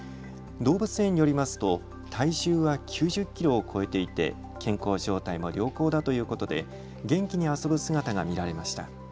動物園によりますと体重は９０キロを超えていて健康状態も良好だということで元気に遊ぶ姿が見られました。